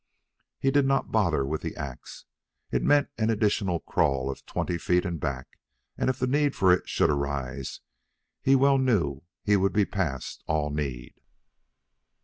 He did not bother with the ax. It meant an additional crawl of twenty feet and back, and if the need for it should arise he well knew he would be past all need.